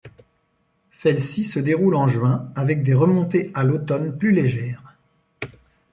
Celle-ci se déroule en juin avec des remontées à l'automne plus légères.